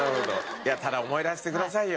いやただ思い出してくださいよ。